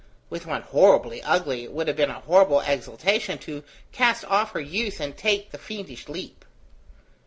With one horribly ugly, it would have been a horrible exultation to cast off her youth and take the fiendish leap.